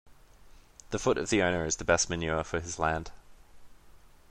The foot of the owner is the best manure for his land.